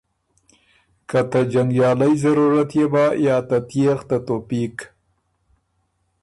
که ته جنګیالئ ضرورت يې بَۀ یا ته تيېغ ته توپیق،